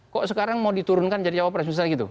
kok sekarang mau diturunkan jadi cawapres misalnya gitu